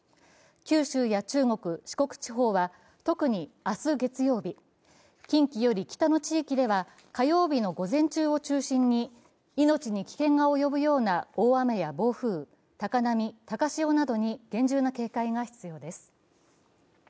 九州や中国・四国地方は特に明日月曜日、近畿より北の地域では火曜日の午前中を中心に命に危険が及ぶような大雨や暴風高波、高潮などに厳重な警戒が必要です。